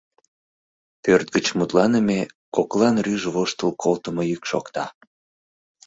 Пӧрт гыч мутланыме, коклан рӱж воштыл колтымо йӱк шокта.